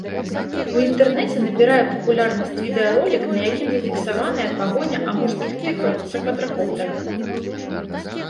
У інтэрнэце набірае папулярнасць відэаролік, на якім зафіксаваная пагоня амурскіх тыграў за квадракоптарам.